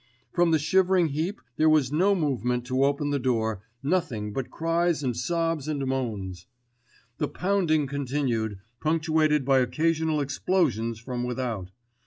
From the shivering heap there was no movement to open the door, nothing but cries and sobs and moans. The pounding continued, punctuated by occasional explosions from without.